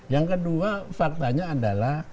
yang kedua faktanya adalah